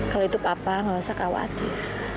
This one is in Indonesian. kalau itu papa nggak usah khawatir